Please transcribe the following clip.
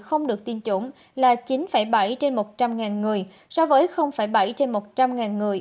không được tiêm chủng là chín bảy trên một trăm linh người so với bảy trên một trăm linh người